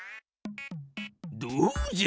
どうじゃ？